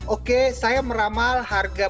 oke saya meramal harga